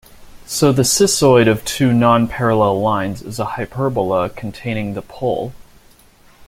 So the cissoid of two non-parallel lines is a hyperbola containing the pole.